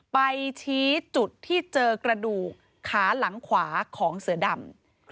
ไปชี้จุดที่เจอกระดูกขาหลังขวาของเสือดำ